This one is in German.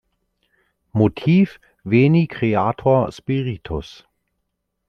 Motiv: „Veni creator spiritus“